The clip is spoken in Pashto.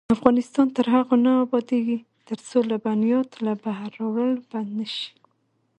افغانستان تر هغو نه ابادیږي، ترڅو لبنیات له بهره راوړل بند نشي.